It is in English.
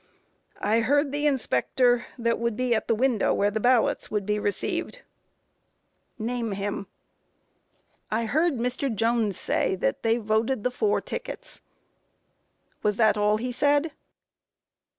A. I heard the inspector that would be at the window where the ballots would be received. Q. Name him. A. I heard Mr. Jones say that they voted the four tickets. Q. Was that all he said?